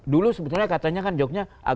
dulu sebetulnya katanya kan joknya